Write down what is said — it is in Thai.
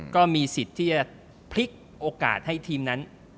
ก็มีสิทธิ์ที่จะพลิกโอกาสให้ทีมนั้น